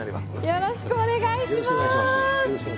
よろしくお願いします。